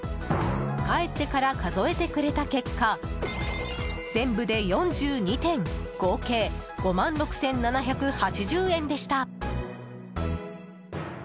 帰ってから数えてくれた結果全部で４２点合計５万６７８０円でした。